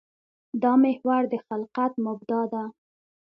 دا محور د خلقت مبدا ده.